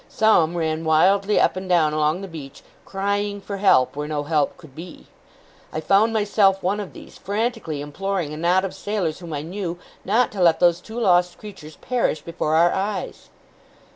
Some ran wildly up and down along the beach, crying for help where no help could be. I found myself one of these, frantically imploring a knot of sailors whom I knew, not to let those two lost creatures perish before our eyes.